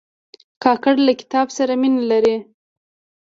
کاکړ له کتاب سره مینه لري.